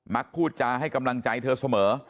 พูดจาให้กำลังใจเธอเสมอ